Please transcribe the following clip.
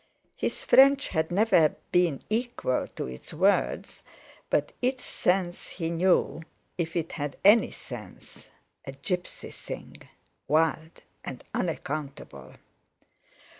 His French had never been equal to its words, but its sense he knew, if it had any sense, a gipsy thing—wild and unaccountable.